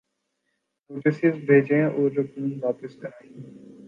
Notices بھیجیں اور رقوم واپس کرائیں۔